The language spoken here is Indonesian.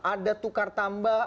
ada tukar tambah